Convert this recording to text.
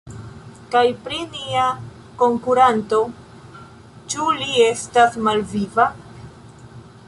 Kaj pri nia konkuranto, ĉu li estas malviva?